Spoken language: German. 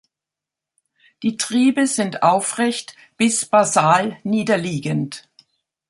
Die Triebe sind aufrecht bis basal niederliegend.